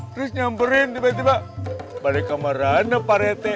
terus nyamperin tiba tiba balik kemarahan pak rete